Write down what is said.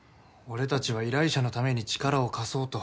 俺たちは依頼者のために力を貸そうと。